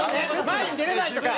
前に出れないとか。